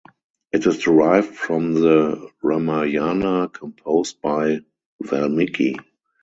It is derived from the Ramayana composed by Valmiki.